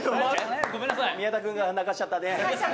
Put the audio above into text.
「宮田君が泣かせちゃったね」